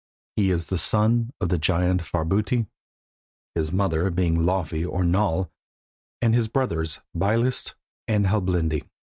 He is the son of the giant Farbauti, his mother being Laufey or Nal, and his brothers Byleist and Helblindi.